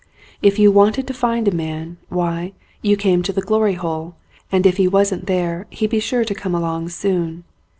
If you wanted to find a man, why, you came to the Glory Hole, and if he wasn't there he'd be sure to come along soon.